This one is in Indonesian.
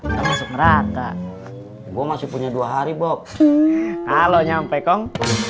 terasa merata gua masih punya dua hari bob halo nyampe kong